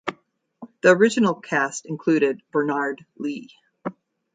The original cast included Bernard Lee.